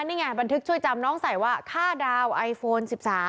นี่ไงบันทึกช่วยจำน้องใส่ว่าค่าดาวไอโฟน๑๓